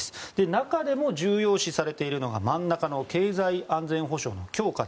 中でも重要視されているのが真ん中の経済安全保障の強化。